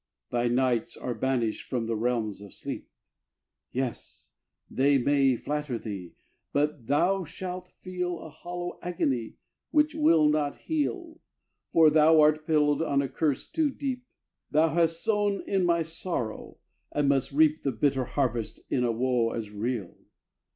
Thy nights are banished from the realms of sleep: Yes! they may flatter thee, but thou shall feel A hollow agony which will not heal, For thou art pillowed on a curse too deep; Thou hast sown in my sorrow, and must reap The bitter harvest in a woe as real!